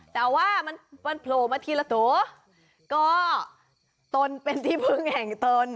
แต่ว่ามันมันโผล่มาทีละตัวก็ตนเป็นที่พึ่งแห่งตน